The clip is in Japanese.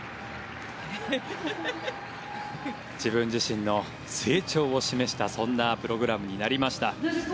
自分自身の成長を示したそんなプログラムになりました。